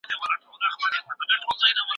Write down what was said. زموږ په ټولنه کې به بدلون راسي.